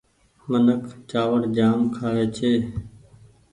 منک چآوڙ جآم کآوي ڇي ۔